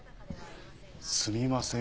すみません